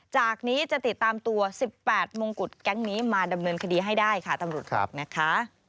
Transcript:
จากนี้จะติดตามตัว๑๘มงกุฎแก๊งนี้มาดำเนินคดีให้ได้ค่ะตำรวจบอกนะคะ